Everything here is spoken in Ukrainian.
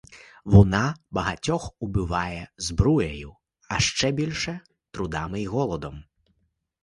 Вона багатьох убиває збруєю, а ще більше трудами й голодом.